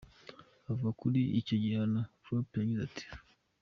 Avuga kuri icyo gihano, Klopp yagize ati:.